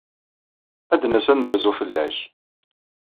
Ad d-nas ad nerzu fell-ak.